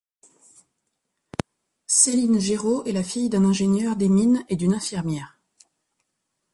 Céline Geraud est la fille d'un ingénieur des mines et d'une infirmière.